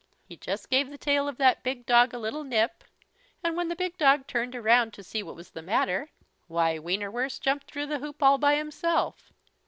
He just gave the tail of that big dog a little nip, and when the big dog turned around to see what was the matter, why Wienerwurst jumped through the hoop all by himself.